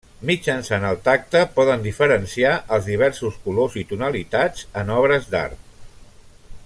Mitjançant el tacte poden diferenciar els diversos colors i tonalitats en obres d'art.